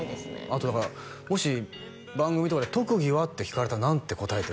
あとだからもし番組とかで「特技は？」って聞かれたら何て答えてる？